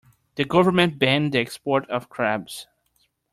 The government banned the export of crabs.